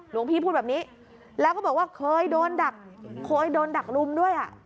หลวงพี่พูดแบบนี้แล้วก็บอกว่าเคยโดนดักเคยโดนดักลุมด้วยอ่ะ